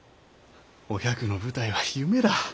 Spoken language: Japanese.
お百の舞台は夢だ。